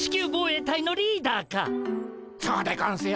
そうでゴンスよ。